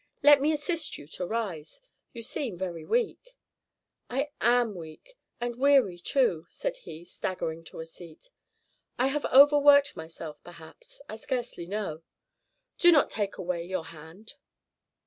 Let me assist you to rise; you seem very weak." "I am weak, and weary too," said he, staggering to a seat. "I have overworked myself, perhaps, I scarcely know. Do not take away your hand."